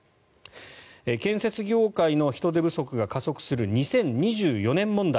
建設業界の人手不足が加速する２０２４年問題。